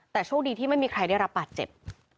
แต่โชคดีที่ไม่มีใครได้รับบาดเจ็บ